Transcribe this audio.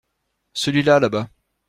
Celui-là là-bas.